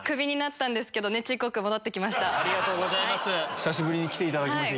久しぶりに来ていただきました